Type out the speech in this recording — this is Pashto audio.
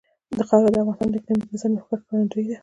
خاوره د افغانستان د اقلیمي نظام یوه ښه ښکارندوی ده.